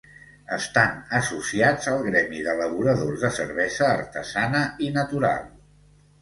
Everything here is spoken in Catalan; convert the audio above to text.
Estan associats al Gremi d'Elaboradors de Cervesa Artesana i Natural.